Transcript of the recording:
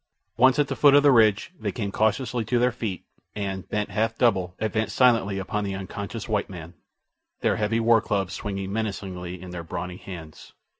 Once at the foot of the ridge, they came cautiously to their feet, and, bent half double, advanced silently upon the unconscious white man, their heavy war clubs swinging menacingly in their brawny hands.